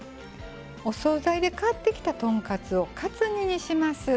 お総菜で買ってきた豚カツをカツ煮にします。